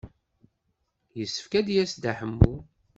Yessefk ad d-yas Dda Ḥemmu.